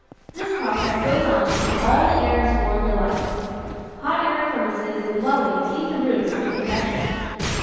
This process goes on until all the air is warmed alike. Hot air furnaces in dwellings heat the rooms by convection.